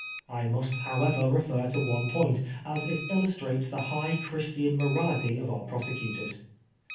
I must, however, refer to one point, as it illustrates the high Christian morality of our prosecutors.